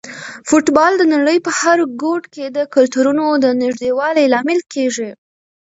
فوټبال د نړۍ په هر ګوټ کې د کلتورونو د نږدېوالي لامل کیږي.